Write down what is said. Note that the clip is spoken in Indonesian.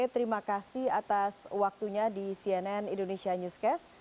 terima kasih atas waktunya di cnn indonesia newscast